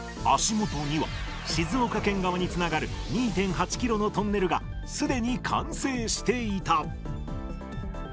足元には、静岡県側につながる２．８キロのトンネルがすでに完成していた。